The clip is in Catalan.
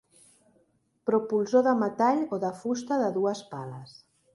Propulsor de metall o de fusta de dues pales.